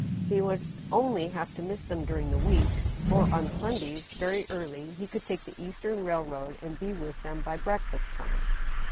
He would only have to miss them during the week, for on Sundays, very early, he could take the Eastern Railroad and be with them by breakfast time.